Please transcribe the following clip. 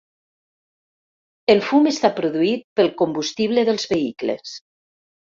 El fum està produït pel combustible dels vehicles.